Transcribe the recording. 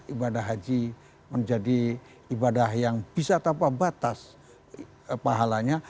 ibadah haji menjadi ibadah yang bisa tanpa batas pahalanya